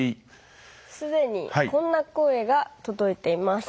既にこんな声が届いています。